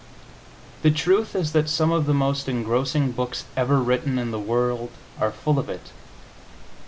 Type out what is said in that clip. The truth is that some of the most engrossing books ever written in the world are full of it.